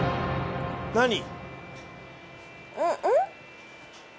何？